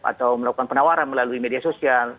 atau melakukan penawaran melalui media sosial